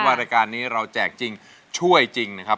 รายการนี้เราแจกจริงช่วยจริงนะครับ